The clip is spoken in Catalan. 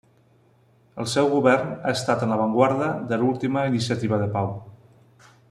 El seu govern ha estat en l'avantguarda de l'última iniciativa de pau.